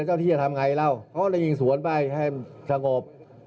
เขาจะยิงสวนไปให้สะโงบ